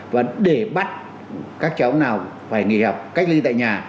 và để bắt các cháu nào phải nghỉ học cách ly tại nhà